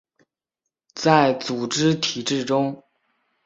在组织体制中